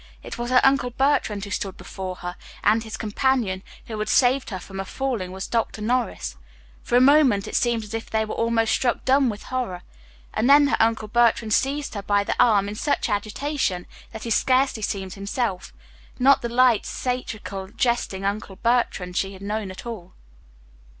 It was her Uncle Bertrand who stood before her, and his companion, who had saved her from falling, was Dr. Norris. For a moment it seemed as if they were almost struck dumb with horror; and then her Uncle Bertrand seized her by the arm in such agitation that he scarcely seemed himself not the light, satirical, jesting Uncle Bertrand she had known at all.